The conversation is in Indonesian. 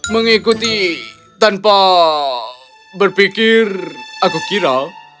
mengikuti tanpa berpikir aku kira